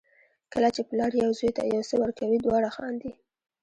کله چې پلار یو زوی ته یو څه ورکوي دواړه خاندي.